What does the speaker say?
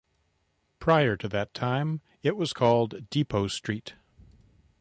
Prior to that time, it was called Depot Street.